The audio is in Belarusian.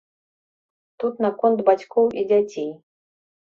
Тут наконт бацькоў і дзяцей.